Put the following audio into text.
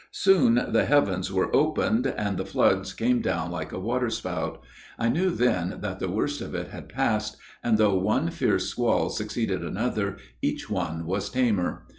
Soon the heavens were opened, and the floods came down like a waterspout. I knew then that the worst of it had passed, and though one fierce squall succeeded another, each one was tamer.